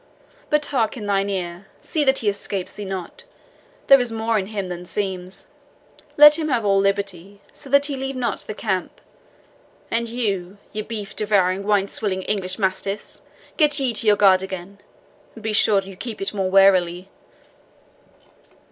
But hark in thine ear; see that he escapes thee not there is more in him than seems. Let him have all liberty, so that he leave not the camp. And you, ye beef devouring, wine swilling English mastiffs, get ye to your guard again, and be sure you keep it more warily.